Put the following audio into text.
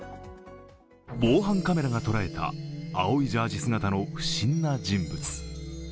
防犯カメラが捉えた青いジャージー姿の不審な人物。